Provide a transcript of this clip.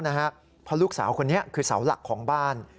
เพราะลูกสาวคนนี้คือเสาหลักของบ้าน